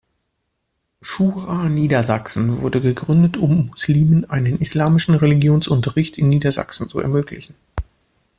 Schura Niedersachsen wurde gegründet, um Muslimen einen islamischen Religionsunterricht in Niedersachsen zu ermöglichen.